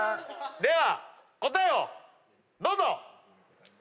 では答えをどうぞ！